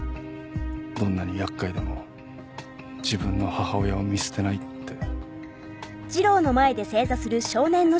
どんなにやっかいでも自分の母親を見捨てないって。